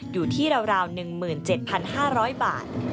อยู่ที่ราว๑๗๕๐๐บาท